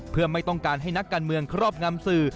เพื่อไม่ต้องการให้นักการเมืองครอบงำสื่อ